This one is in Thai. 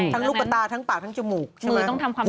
ทางลูกตาทางปากทางจมูกใช่ไหม